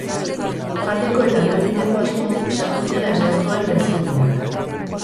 Jateko eta lo egiteko asmoz sartu zela esan zuen gaizkileak.